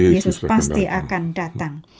yesus pasti akan datang